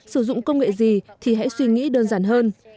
sử dụng công nghệ gì thì hãy suy nghĩ đơn giản hơn